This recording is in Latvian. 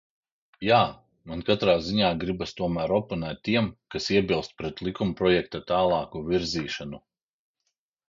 Jā, man katrā ziņā gribas tomēr oponēt tiem, kas iebilst pret likumprojekta tālāku virzīšanu.